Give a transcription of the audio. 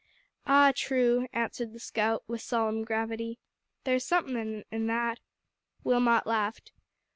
"Ah, true," answered the scout, with solemn gravity. "There's somethin' in that." Wilmot laughed.